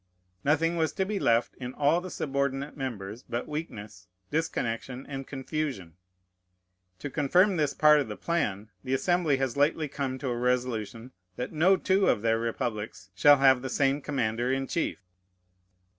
Nothing was to be left in all the subordinate members, but weakness, disconnection, and confusion. To confirm this part of the plan, the Assembly has lately come to a resolution that no two of their republics shall have the same commander in chief.